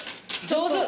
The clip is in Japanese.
上手！